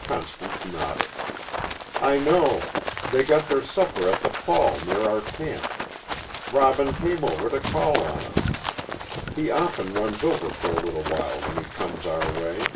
Constance nodded. "I know. They got their supper at the fall near our camp. Robin came over to call on us. He often runs over for a little while when he comes our way."